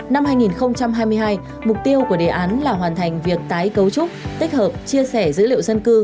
năm hai nghìn hai mươi hai mục tiêu của đề án là hoàn thành việc tái cấu trúc tích hợp chia sẻ dữ liệu dân cư